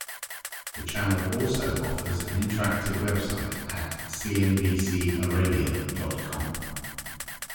The channel also offers an interactive website at cnbcarabia dot com.